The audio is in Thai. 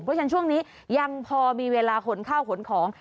เพราะฉะนั้นช่วงนี้ยังพอมีเวลาขนข้าวขนของ